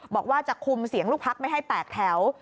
บอกว่าจะคุมเสียงลูกพักไม่ให้แตกแถว